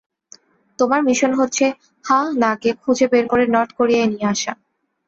তোমার মিশন হচ্ছে হা-না কে খুঁজে বের করে নর্থ কোরিয়ায় নিয়ে আসা।